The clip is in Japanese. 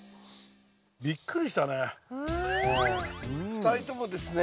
２人ともですね